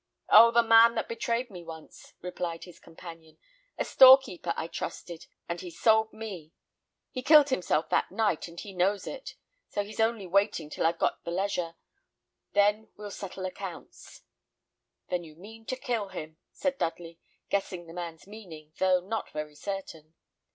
"Oh, the man that betrayed me once!" replied his companion. "A storekeeper I trusted, and he sold me. He killed himself that night, and he knows it. So he's only waiting till I've got leisure, then we'll settle accounts." "Then you mean you'll kill him," said Dudley, guessing the man's meaning, though not very certain.